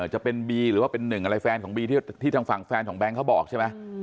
จะเป็นบีหรือว่าเป็นหนึ่งอะไรแฟนของบีที่ทางฝั่งแฟนของแบงค์เขาบอกใช่ไหม